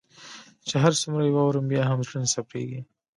چي هر څومره يي واورم بيا هم زړه نه صبریږي